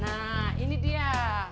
nah ini dia